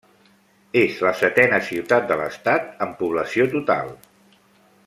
És la setena ciutat de l'Estat en població total.